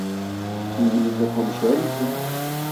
İngilizce konuşuyor musun?